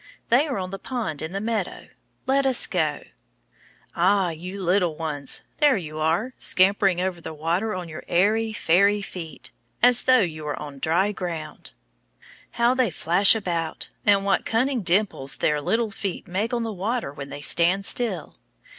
They are on the pond in the meadow. Let us go. Ah, you little ones! There you are, scampering over the water on your airy, fairy feet, as though you were on dry land. How they flash about! And what cunning dimples their little feet make on the water when they stand still!